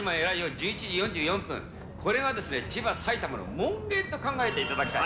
１１時４４分、これが千葉、埼玉の門限と考えていただきたい。